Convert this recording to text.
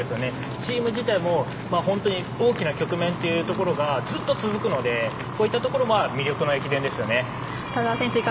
チーム自体も本当に大きな局面がずっと続くのでこういったところが魅力の駅伝ですね。